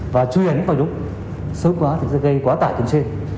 và chuyển đúng sớm quá thì sẽ gây quá tải trên trên